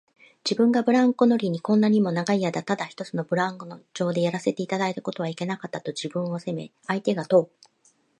自分がブランコ乗りにこんなにも長いあいだただ一つのブランコの上でやらせていたことはいけなかった、と自分を責め、相手がとうとうこのまちがいに気づかせてくれた